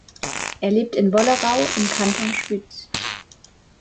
Er lebt in Wollerau im Kanton Schwyz.